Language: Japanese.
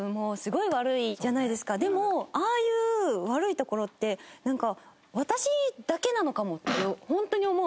でもああいう悪いところってなんか私にだけなのかもって本当に思う。